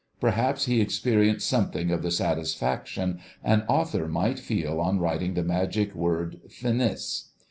Perhaps he experienced something of the satisfaction an author might feel on writing the magic word "Finis."